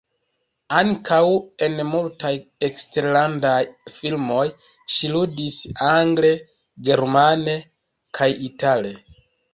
Ankaŭ en multaj eksterlandaj filmoj ŝi ludis, angle, germane kaj itale.